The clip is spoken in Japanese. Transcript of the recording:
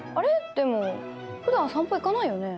でもふだん散歩行かないよね。